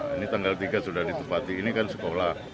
ini tanggal tiga sudah ditepati ini kan sekolah